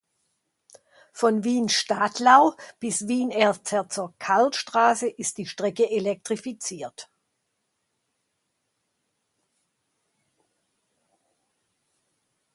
Von Wien Stadlau bis Wien Erzherzog-Karl-Straße ist die Strecke elektrifiziert.